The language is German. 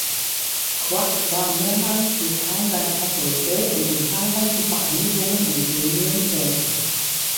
Quack war mehrmals Dekan seiner Fakultät und in zahlreichen Vereinigungen und Gremien tätig.